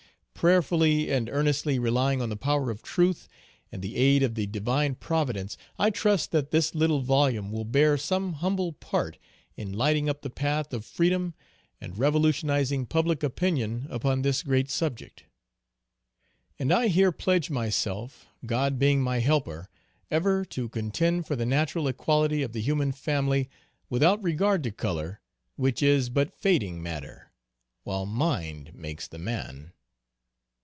Prayerfully and earnestly relying on the power of truth, and the aid of the divine providence, I trust that this little volume will bear some humble part in lighting up the path of freedom and revolutionizing public opinion upon this great subject. And I here pledge myself, God being my helper, ever to contend for the natural equality of the human family, without regard to color, which is but fading matter, while mind makes the man.